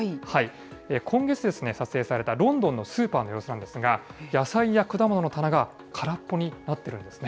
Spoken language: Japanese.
今月撮影されたロンドンのスーパーの様子なんですが、野菜や果物の棚が空っぽになっているんですね。